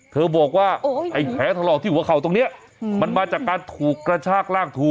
เธอบอกว่าไอ้แผลถลอกที่หัวเข่าตรงนี้มันมาจากการถูกกระชากลากถู